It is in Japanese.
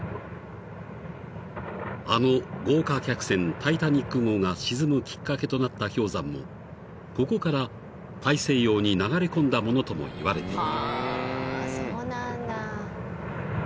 ［あの豪華客船タイタニック号が沈むきっかけとなった氷山もここから大西洋に流れ込んだものともいわれている］